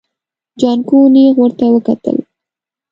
جانکو نيغ ورته وکتل.